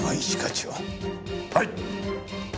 はい！